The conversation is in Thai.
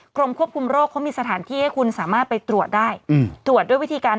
กรมควบคุมโรคเขามีสถานที่ให้คุณสามารถไปตรวจได้ตรวจด้วยวิธีการ